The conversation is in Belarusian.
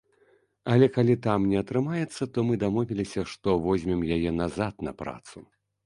Але калі там не атрымаецца, то мы дамовіліся што возьмем яе назад на працу.